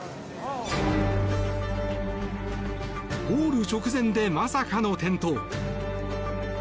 ゴール直前でまさかの転倒。